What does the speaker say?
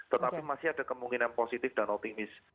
tetapi masih ada kemungkinan positif dan optimis